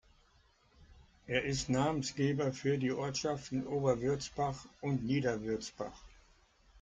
Er ist Namensgeber für die Ortschaften Oberwürzbach und Niederwürzbach.